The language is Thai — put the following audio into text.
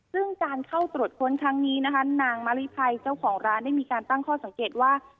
ซึ่งการเข้าตรวจค้นครั้งนี้นะคะนางมาริภัยเจ้าของร้านได้มีการตั้งข้อสังเกตว่า